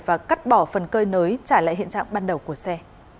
và cắt bỏ phần cơi nới trả lại hiện trạng ban đầu của xe